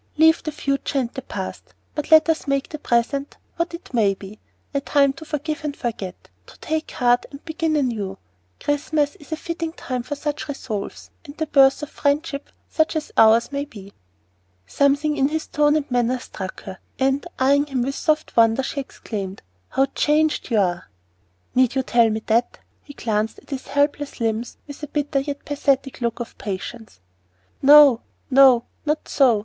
Leave the future and the past, but let us make the present what it may be a time to forgive and forget, to take heart and begin anew. Christmas is a fitting time for such resolves, and the birth of friendship such as ours may be." Something in his tone and manner struck her, and, eyeing him with soft wonder, she exclaimed, "How changed you are!" "Need you tell me that?" And he glanced at his helpless limbs with a bitter yet pathetic look of patience. "No, no not so!